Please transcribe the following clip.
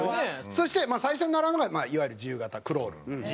そして最初に習うのがいわゆる自由形クロール。